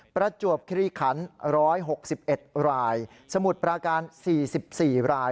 ประจวบคลีขัน๑๖๑รายสมุทรปราการ๔๔ราย